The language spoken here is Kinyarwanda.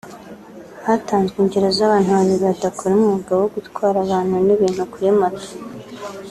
Hatanzwe ingero z’abantu babiri badakora umwuga wo gutwara abantu n’ibintu kuri moto